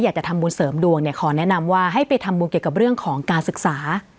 อยากจะทำบุญเสริมดวงเนี่ยขอแนะนำว่าให้ไปทำบุญเกี่ยวกับเรื่องของการศึกษา